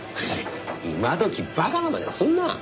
今どきバカなまねはすんな！